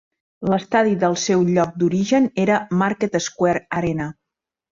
L'estadi del seu lloc d'origen era el Market Square Arena.